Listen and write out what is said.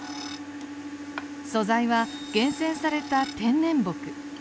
素材は厳選された天然木。